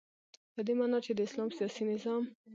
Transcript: په دی معنا چی د اسلام سیاسی نظام